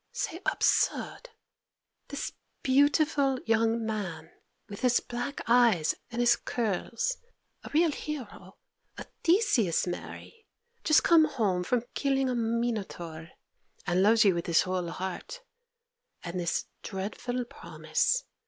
'Mais c'est absurde! This beautiful young man, with his black eyes and his curls—a real hero—a Theseus, Mary; just come home from killing a Minotaur—and loves you with his whole heart—and this dreadful promise!